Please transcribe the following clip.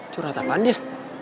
curhat apaan dia